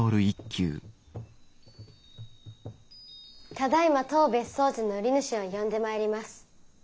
ただいま当別荘地の売り主を呼んでまいります。